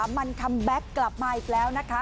มันคัมแบ็คกลับมาอีกแล้วนะคะ